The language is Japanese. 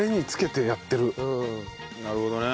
なるほどね。